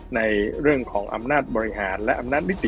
ในเรื่องของอำนาจบริหารและอำนาจนิษย์บรรยัรดิ์